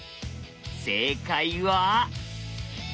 正解は。